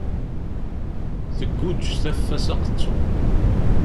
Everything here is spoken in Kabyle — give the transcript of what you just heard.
Tegguǧ taffa s aqettun.